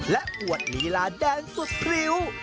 และอวดลีลาแดนสุดพริ้ว